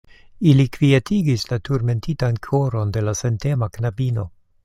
Ili kvietigis la turmentitan koron de la sentema knabino.